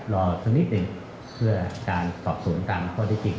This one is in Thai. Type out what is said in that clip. รอสักนิดหนึ่งเพื่อการสอบสวนตามข้อที่จริง